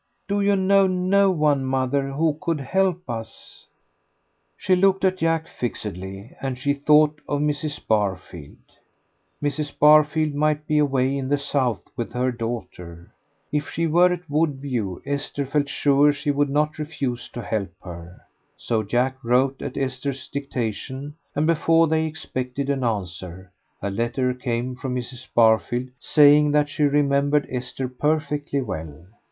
Do you know no one, mother, who could help us?" She looked at Jack fixedly, and she thought of Mrs. Barfield. Mrs. Barfield might be away in the South with her daughter. If she were at Woodview Esther felt sure that she would not refuse to help her. So Jack wrote at Esther's dictation, and before they expected an answer, a letter came from Mrs. Barfield saying that she remembered Esther perfectly well.